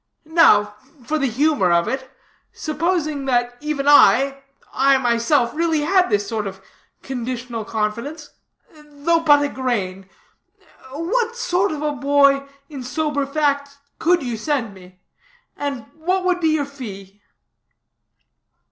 Now, for the humor of it, supposing that even I, I myself, really had this sort of conditional confidence, though but a grain, what sort of a boy, in sober fact, could you send me? And what would be your fee?"